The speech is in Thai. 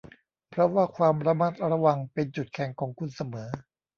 เพราะว่าความระมัดระวังเป็นจุดแข็งของคุณเสมอ